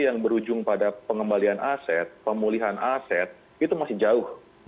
yang berujung pada pengembalian aset pemulihan aset itu masih jauh